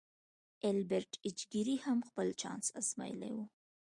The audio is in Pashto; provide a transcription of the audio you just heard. ایلبرټ ایچ ګیري هم خپل چانس ازمایلی و